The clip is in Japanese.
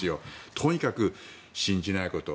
とにかく信じないこと。